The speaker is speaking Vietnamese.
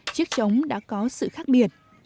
chiếc trống đã có sự khác biệt